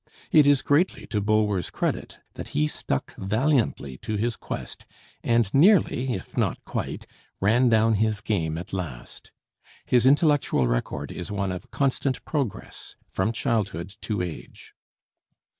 It is greatly to Bulwer's credit that he stuck valiantly to his quest, and nearly, if not quite, ran down his game at last. His intellectual record is one of constant progress, from childhood to age.